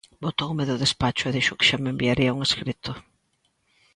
Botoume do despacho e dixo que xa me enviaría un escrito.